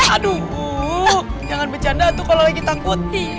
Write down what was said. aduh bu jangan bercanda tuh kalau lagi takut